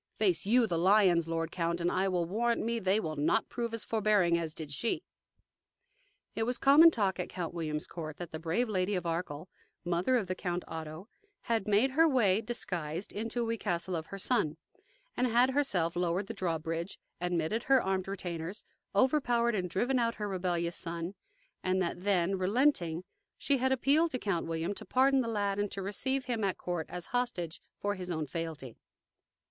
Face YOU the lions, lord count, and I will warrant me they will not prove as forbearing as did she." It was common talk at Count William's court that the brave Lady of Arkell, mother of the Count Otto, had made her way, disguised, into we castle of her son, had herself lowered the drawbridge, admitted her armed retainers, overpowered and driven out her rebellious son; and that then, relenting, she had appealed to Count William to pardon the lad and to receive him at court as hostage for his own fealty.